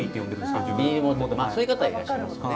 そういう方いらっしゃいますね。